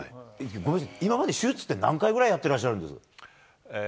ごめんなさい、今まで手術って何回ぐらいやってらっしゃるんです？